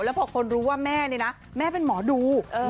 แล้วพอคนรู้ว่าแม่นี่นะแม่เป็นหมอดู